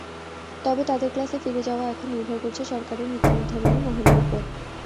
তবে তাঁদের ক্লাসে ফিরে যাওয়া এখন নির্ভর করছে সরকারের নীতিনির্ধারণী মহলের ওপর।